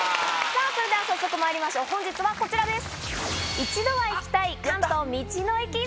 早速まいりましょう本日はこちらです。